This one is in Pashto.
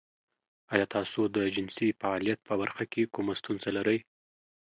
ایا تاسو د جنسي فعالیت په برخه کې کومه ستونزه لرئ؟